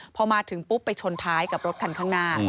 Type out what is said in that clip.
พอมาถึงปุ๊บไปชนท้ายกับรถคันข้างหน้า